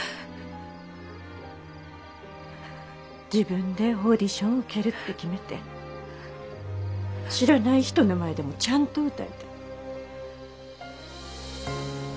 自分でオーディションを受けるって決めて知らない人の前でもちゃんと歌えた。